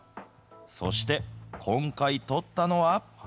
そして、今回撮ったのは。